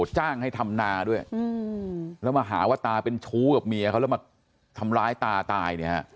จ้างให้ทำนาด้วยแล้วมาหาว่าตาเป็นชู้กับเมียเขาแล้วมาทำร้ายตาตายเนี่ยฮะ